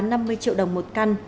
năm mươi triệu đồng một căn